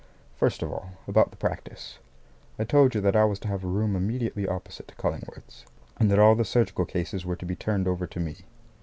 First of all, about the practice. I told you that I was to have a room immediately opposite to Cullingworth's, and that all the surgical cases were to be turned over to me.